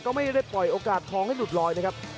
ก็ไม่ได้ปล่อยโอกาสทองให้หลุดลอยนะครับ